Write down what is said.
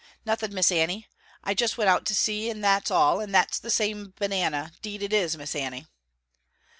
"Nothing, Miss Annie, I just went out to see, that's all and that's the same banana, 'deed it is Miss Annie."